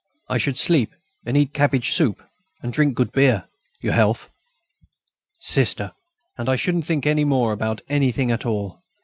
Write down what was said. I should sleep, and eat cabbage soup, and drink good beer your health. Sister! and I shouldn't think any more about anything at all....